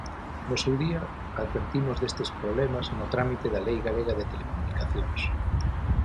No seu día advertimos destes problemas no trámite da Lei galega de telecomunicacións.